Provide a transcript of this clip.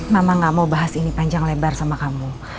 mama gak mau bahas ini panjang lebar sama kamu